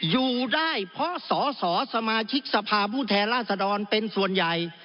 อยู่ได้เพราะสอสอสมาชิกสภาพผู้แทนราษฎรเป็นส่วนใหญ่